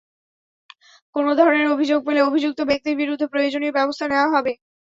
কোনো ধরনের অভিযোগ পেলে অভিযুক্ত ব্যক্তির বিরুদ্ধে প্রয়োজনীয় ব্যবস্থা নেওয়া হবে।